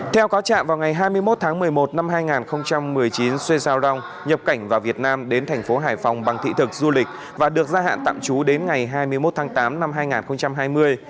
theo cáo trạng vào ngày hai mươi một tháng một mươi một năm hai nghìn một mươi chín xuê gia rong nhập cảnh vào việt nam đến thành phố hải phòng bằng thị thực du lịch và được gia hạn tạm trú đến ngày hai mươi một tháng tám năm hai nghìn hai mươi